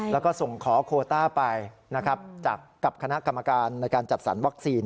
แล้วก็ส่งขอโคต้าไปนะครับจากกับคณะกรรมการในการจัดสรรวัคซีน